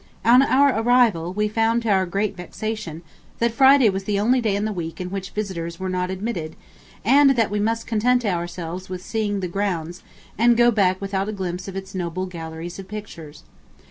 ... On our arrival, we found, to our great vexation, that Friday was the only day in the week in which visitors were not admitted, and that we must content ourselves with seeing the grounds and go back without a glimpse of its noble galleries of pictures.